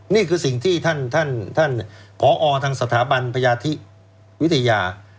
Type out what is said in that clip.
นี่คือสิ่งที่ท่านผอทางสถาบันพญาธิวิทยา